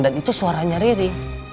dan itu suaranya riri